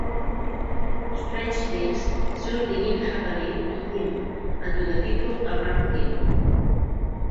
Strange things soon begin happening to him and to the people around him.